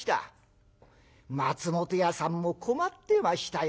松本屋さんも困ってましたよ。